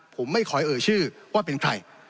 ผมไม่ขอเอ่ยชื่อว่าเป็นใคร